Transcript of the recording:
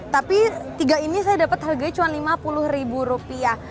tapi tiga ini saya dapat harganya cuma lima puluh ribu rupiah